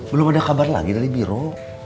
belum ada kabar lagi dari biro